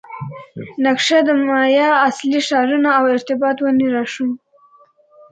نقشه د مایا اصلي ښارونه او ارتباط ونې راښيي